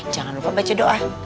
jangan lupa baca doa